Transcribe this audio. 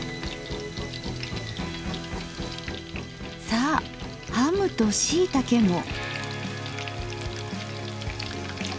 さあハムとしいたけも。